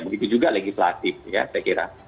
begitu juga legislatif ya saya kira